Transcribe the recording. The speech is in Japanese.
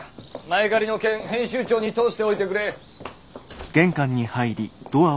前借りの件編集長に通しておいてくれ。